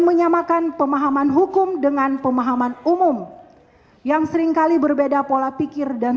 menyamakan pemahaman hukum dengan pemahaman umum yang seringkali berbeda pola pikir dan